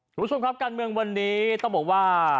คุณผู้ชมครับการเมืองวันนี้ต้องบอกว่า